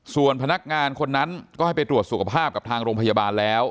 ส่วนพนักงานคนนั้นก็ให้ไปตรวจสุขภาพกับทางโรงพยาบาลแล้ว